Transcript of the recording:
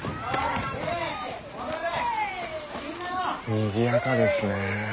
にぎやかですね。